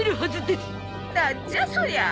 なんじゃそりゃ。